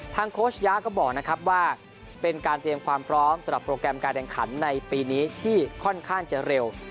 โค้ชยะก็บอกนะครับว่าเป็นการเตรียมความพร้อมสำหรับโปรแกรมการแข่งขันในปีนี้ที่ค่อนข้างจะเร็ว